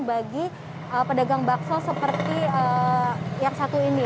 bagi pedagang bakso seperti yang satu ini